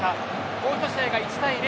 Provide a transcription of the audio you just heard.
もう１試合が１対０。